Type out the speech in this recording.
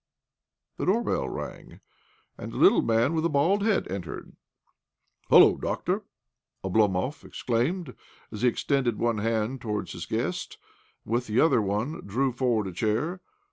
The doorbell rang, and a little man with a bald head entered. " Hullo, doctor I " Oblomov exclaimed as he extended one hand ' towards his guest, and with the other one dtew forward a chair.